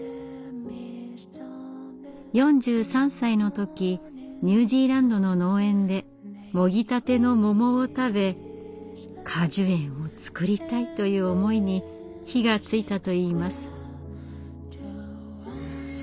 ４３歳の時ニュージーランドの農園でもぎたての桃を食べ果樹園を作りたいという思いに火がついたといいます。